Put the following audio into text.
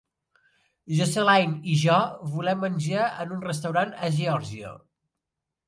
Jocelyn i jo volem menjar en un restaurant a Georgia